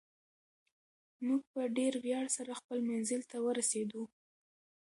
موږ په ډېر ویاړ سره خپل منزل ته ورسېدو.